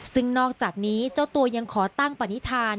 ซึ่งนอกจากนี้เจ้าตัวยังขอตั้งปณิธาน